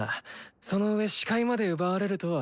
その上視界まで奪われるとは。